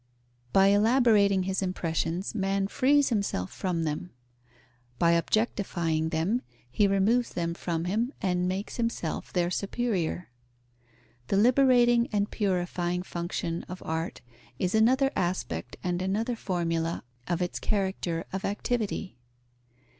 _ By elaborating his impressions, man frees himself from them. By objectifying them, he removes them from him and makes himself their superior. The liberating and purifying function of art is another aspect and another formula of its character of activity.